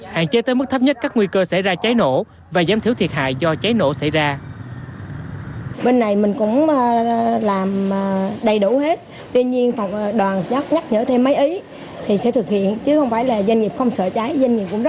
hạn chế tới mức thấp nhất các nguy cơ xảy ra cháy nổ và giảm thiểu thiệt hại do cháy nổ xảy ra